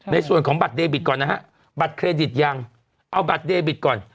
ในส่วนของบัตรเดบิตก่อนนะฮะบัตรเครดิตยังเอาบัตรเดบิตก่อน